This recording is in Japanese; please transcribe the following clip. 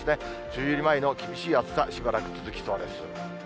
梅雨入り前の厳しい暑さ、しばらく続きそうです。